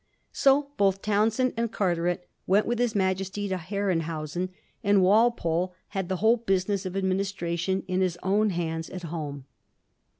So both Townshend and Carteret went with his Majesty to Herrenhausen, and Walpole had the whole business of administration in his own hands at home.